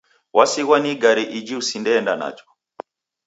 Wasighwa ni igare iji usinde enda najo.